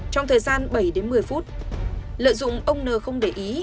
trong thời gian bảy đến một mươi phút lợi dụng ông n không để ý